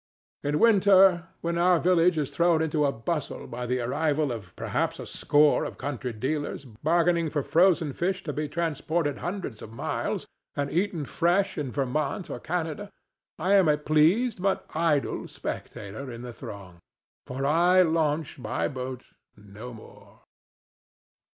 In winter, when our village is thrown into a bustle by the arrival of perhaps a score of country dealers bargaining for frozen fish to be transported hundreds of miles and eaten fresh in Vermont or Canada, I am a pleased but idle spectator in the throng. For I launch my boat no more.